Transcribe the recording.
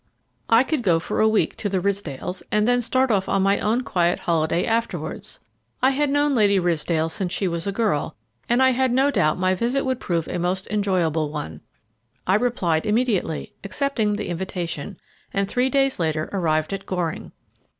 I could go for a week to the Ridsdales, and then start off on my own quiet holiday afterwards. I had known Lady Ridsdale since she was a girl, and I had no doubt my visit would prove a most enjoyable one. I replied immediately, accepting the invitation, and three days later arrived at Goring.